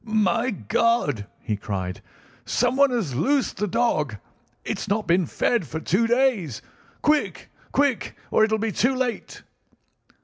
"My God!" he cried. "Someone has loosed the dog. It's not been fed for two days. Quick, quick, or it'll be too late!"